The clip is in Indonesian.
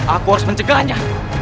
aku harus mencegahnya